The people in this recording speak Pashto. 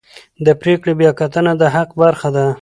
د پرېکړې بیاکتنه د حق برخه ده.